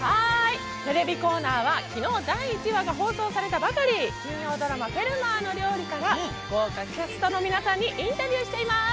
テレビコーナーは昨日第１話が放送されたばかり金曜ドラマ「フェルマーの料理」から豪華キャストの皆さんにインタビューしてます